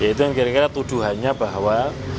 itu yang kira kira tuduhannya bahwa